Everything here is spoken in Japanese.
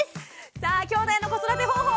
さあきょうだいの子育て方法